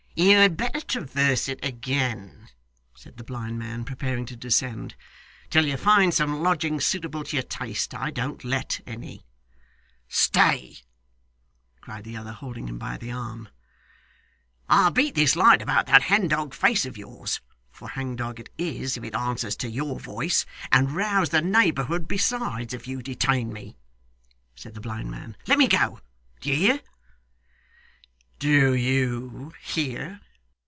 'You had better traverse it again,' said the blind man, preparing to descend, 'till you find some lodgings suitable to your taste. I don't let any.' 'Stay!' cried the other, holding him by the arm. 'I'll beat this light about that hangdog face of yours (for hangdog it is, if it answers to your voice), and rouse the neighbourhood besides, if you detain me,' said the blind man. 'Let me go. Do you hear?' 'Do YOU hear!